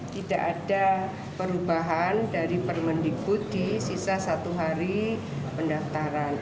tidak ada perubahan dari permendikbud di sisa satu hari pendaftaran